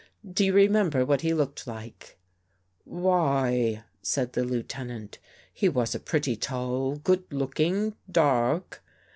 Do you remember what he looked like ?"" Why," said the Lieutenant, " he was a pretty tall, good looking, dark